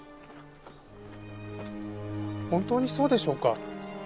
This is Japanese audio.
本当にそうでしょうか？